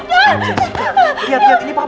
jessica lihat ini papa lihat